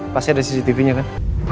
pasti ada cctv nya kan